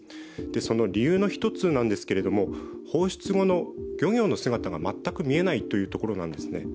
その理由の一つなんですけれども放出後の漁業の姿が全く見えないというところなんですね。